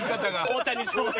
大谷翔平